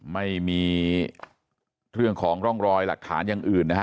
ไม่มีเรื่องของร่องรอยหลักฐานอย่างอื่นนะฮะ